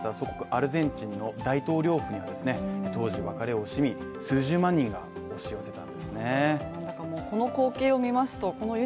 アルゼンチンの大統領府にはですね、当時別れを惜しみ数十万人が押し寄せたんですね。